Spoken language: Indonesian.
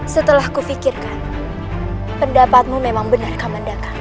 setelah kufikirkan pendapatmu memang benar kamandaka